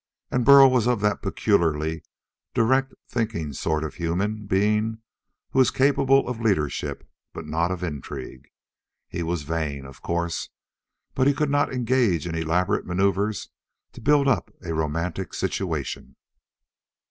And Burl was of that peculiarly direct thinking sort of human being who is capable of leadership but not of intrigue. He was vain, of course. But he could not engage in elaborate maneuvers to build up a romantic situation.